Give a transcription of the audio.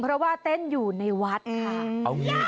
เพราะว่าเต้นอยู่ในวัดค่ะ